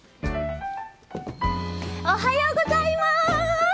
おはようございます！